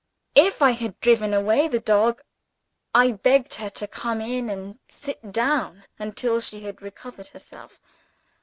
After I had driven away the dog, I begged her to come in and sit down until she had recovered herself.